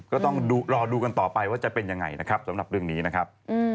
ก็ต้องรอดูกันต่อไปว่าจะเป็นยังไงนะครับสำหรับเรื่องนี้นะครับ